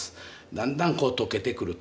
だんだんこうとけてくると。